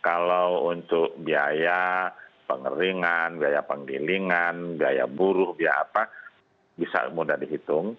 kalau untuk biaya pengeringan biaya penggilingan biaya buruh biaya apa bisa mudah dihitung